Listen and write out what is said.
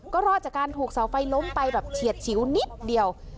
ก็รอดจากการถูกเสาไฟล้มไปแบบเฉียดฉิวนิดเดียว